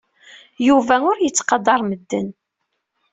Yuba ur yettqadar medden.